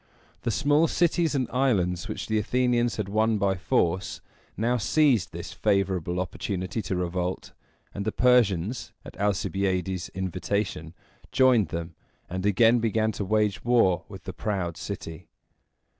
The small cities and islands which the Athenians had won by force now seized this favorable opportunity to revolt; and the Persians, at Alcibiades' invitation, joined them, and again began to wage war with the proud city.